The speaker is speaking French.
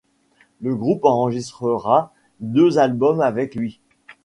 Le groupe enregistrera deux albums avec lui.